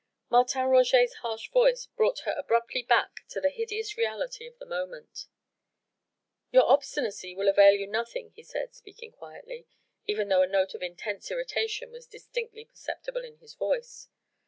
Martin Roget's harsh voice brought her abruptly back to the hideous reality of the moment. "Your obstinacy will avail you nothing," he said, speaking quietly, even though a note of intense irritation was distinctly perceptible in his voice.